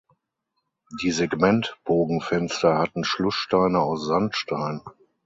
Die Segmentbogenfenster hatten Schlusssteine aus Sandstein.